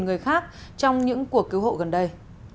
người khác trong những cuộc cứu hộ gần đây